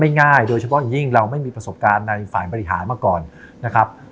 ง่ายโดยเฉพาะอย่างยิ่งเราไม่มีประสบการณ์ในฝ่ายบริหารมาก่อนนะครับ